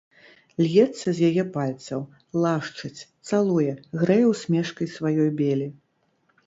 Льецца з яе пальцаў, лашчыць, цалуе, грэе ўсмешкай сваёй белі.